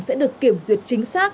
sẽ được kiểm duyệt chính xác